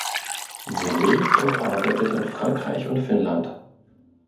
Sie lebt und arbeitet in Frankreich und Finnland.